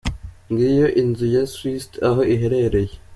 Ngiyo inzu ya Swift aho iherereye.